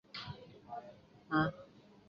松驹的后辈。